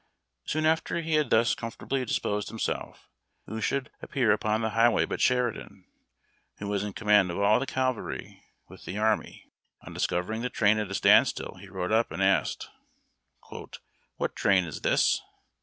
Soon after he had thus comfortably disposed himself, who should appear upon the highway but Sheridan, who was in com mand of all the cavalry with the army. On discovering the train at a standstill, he rode up and asked :—" What train is this